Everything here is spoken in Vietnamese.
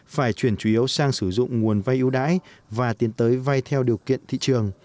phải chuyển chủ yếu sang sử dụng nguồn vay ưu đãi và tiến tới vay theo điều kiện thị trường